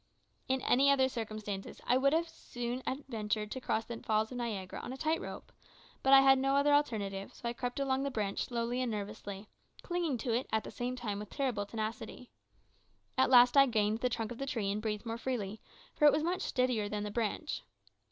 In any other circumstances I would as soon have ventured to cross the Falls of Niagara on a tight rope; but I had no other alternative, so I crept along the branch slowly and nervously, clinging to it, at the same time, with terrible tenacity. At last I gained the trunk of the tree and breathed more freely, for it was much steadier than the branch.